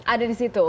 ada di situ